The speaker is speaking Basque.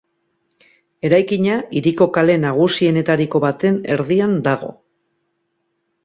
Eraikina hiriko kale nagusienetariko baten erdialdean dago.